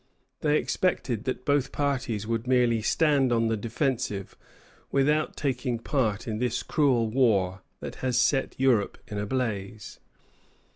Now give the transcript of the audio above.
They expected that both parties would merely stand on the defensive, without taking part in this cruel war that has set Europe in a blaze."